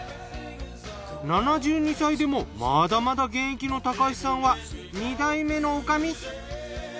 ７２歳でもまだまだ現役の橋さんは二代目の女将。